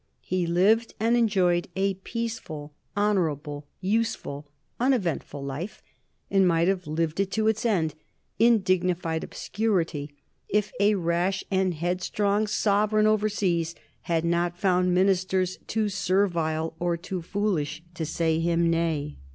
He lived and enjoyed a peaceful, honorable, useful, uneventful life, and might have lived it to its end in dignified obscurity if a rash and headstrong sovereign over seas had not found ministers too servile or too foolish to say him nay.